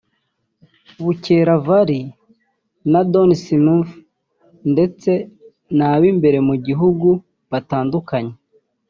Bukera Vallery na Don Smith ndetse n’abimbere mu gihugu batandukanye